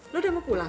lo udah mau pulang